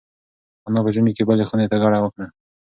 انا په ژمي کې بلې خونې ته کډه وکړه.